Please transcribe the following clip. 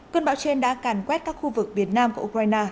cơn bão trên đã càn quét các khu vực việt nam của ukraine